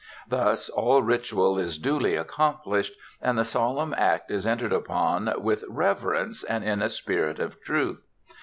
Thus all ritual is duly accomplished; and the solemn act is entered upon with reverence and in a spirit of truth.